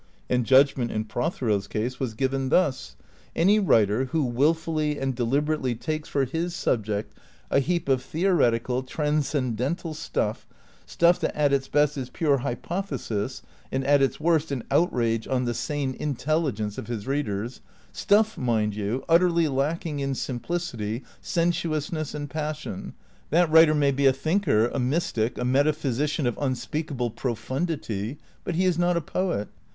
And judgment in Prothero's case was given thus : Any writer who wilfully and deliberately takes for his subject a heap of theoretical, transcendental stuff, stuff that at its best is pure hvpothesis, and at its worst an outrage on the sane intel 435 436 THECREATOES ligence of his readers, stuff, mind you, utterly lacking in sim plicity, sensuousness and passion, that writer may be a thinker, a mystic, a metaphysician of unspeakable profundity, but he is not a poet.